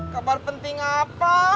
kabar penting apa